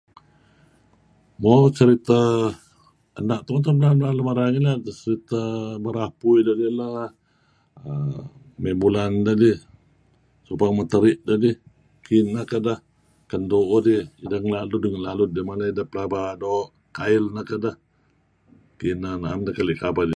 Mo cerita ena' tun teh belaan lun merar ngilad, cerita Barapui' dedih lah, may Bulan dedih, Dayang Meteri' dedih. Kineh kedeh. Ken tuuh idih. Pelaba lalud mala ideh doo' kail neh kedeh. Kineh naem deh kail kapeh.